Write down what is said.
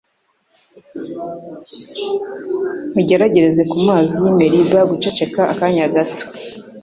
nkugeragereza ku mazi y’i Meriba guceceka akanya gato